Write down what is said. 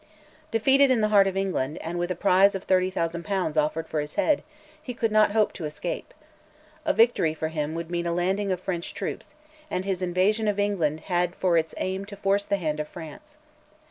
Defeated in the heart of England, and with a prize of 30,000 pounds offered for his head, he could not hope to escape. A victory for him would mean a landing of French troops, and his invasion of England had for its aim to force the hand of France.